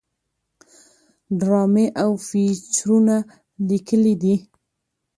ډرامې او فيچرونه ليکلي دي